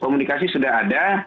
komunikasi sudah ada